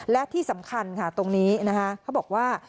และที่สำคัญค่ะตรงนี้นะคะเขาบอกว่า